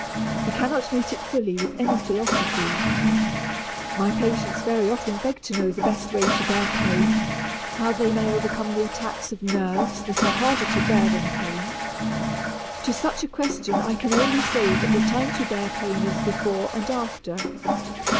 We cannot meet it fully with any philosophy. My patients very often beg to know the best way to bear pain, how they may overcome the attacks of "nerves" that are harder to bear than pain. To such a question I can only say that the time to bear pain is before and after.